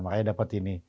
makanya dapat ini